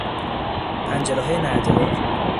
پنجرههای نرده دار